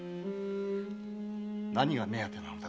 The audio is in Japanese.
何が目当てなのだ